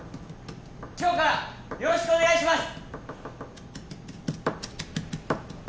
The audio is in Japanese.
今日からよろしくお願いします